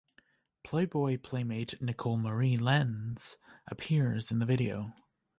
Playboy Playmate Nicole Marie Lenz appears in the video.